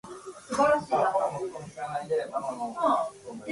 犬を飼いたいです。